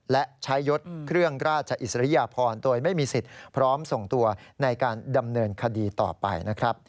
และใช้ยศเครื่องราชอิสริยพรโดยไม่มีสิทธิ์พร้อมส่งตัวในการดำเนินคดีต่อไปนะครับ